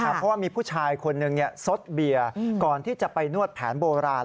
เพราะว่ามีผู้ชายคนหนึ่งสดเบียร์ก่อนที่จะไปนวดแผนโบราณ